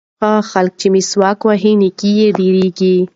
هغه خلک چې مسواک وهي نیکۍ یې ډېرېږي.